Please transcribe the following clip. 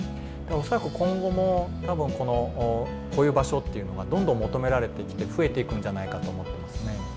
恐らく今後も多分こういう場所っていうのがどんどん求められてきて増えていくんじゃないかと思ってますね。